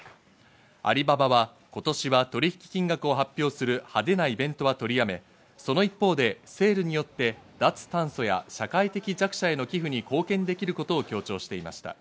アリババは今年は取引金額を発表する派手なイベントは取り止め、その一方でセールによって脱炭素や社会的弱者への寄付に貢献できることを強調していました。